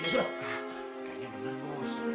kayanya bener bos